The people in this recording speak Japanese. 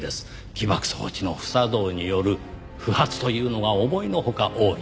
起爆装置の不作動による不発というのが思いのほか多い。